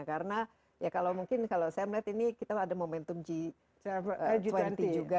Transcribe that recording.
karena ya kalau mungkin kalau saya melihat ini kita ada momentum g dua puluh juga